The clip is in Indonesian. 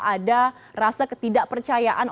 ada rasa ketidakpercayaan